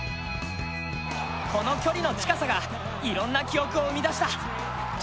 この距離の近さがいろんな記憶を生み出した。